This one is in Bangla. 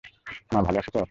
মা ভালো আছে তোর?